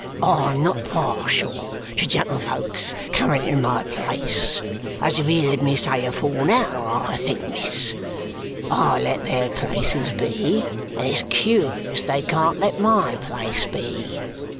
"I'm not partial to gentlefolks coming into my place, as you've heerd me say afore now, I think, miss. I let their places be, and it's curious they can't let my place be.